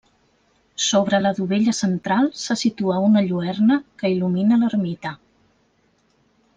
Sobre la dovella central se situa una lluerna que il·lumina l'ermita.